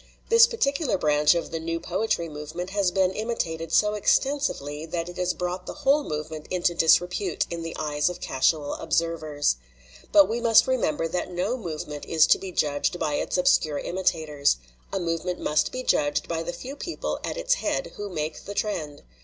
This particular branch of the new poetry movement has been imitated so extensively that it has brought the whole move ment into disrepute in the eyes of casual observers. 256 THE NEW SPIRIT IN POETRY But we must remember that no movement is to be judged by its obscure imitators. A movement must be judged by the few people at its head who make the trend.